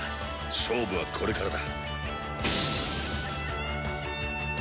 勝負はこれからだ。